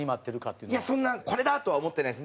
いやそんなこれだ！とは思ってないです。